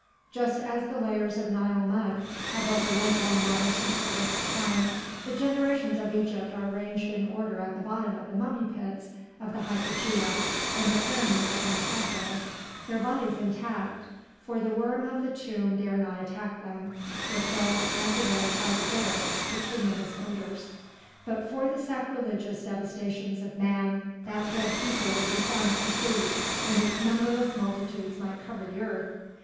Just as the layers of Nile mud have overlaid one another since the birth of time, the generations of Egypt are ranged in order at the bottom of the mummy pits of the hypogea and the pyramids of the necropolis, their bodies intact for the worm of the tomb dare not attack them, repelled as it is by the bitter bituminous odours. But for the sacrilegious devastations of man, that dead people would be found complete, and its numberless multitudes might cover the earth.